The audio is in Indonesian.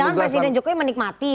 jangan presiden jokowi menikmati